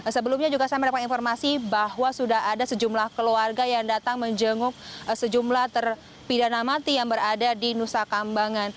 sebelumnya juga saya mendapat informasi bahwa sudah ada sejumlah keluarga yang datang menjenguk sejumlah terpidana mati yang berada di nusa kambangan